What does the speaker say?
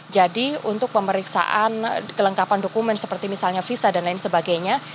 jadi untuk pemeriksaan kelengkapan dokumen seperti misalnya visa dan lain sebagainya